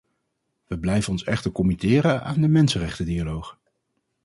Wij blijven ons echter committeren aan de mensenrechtendialoog.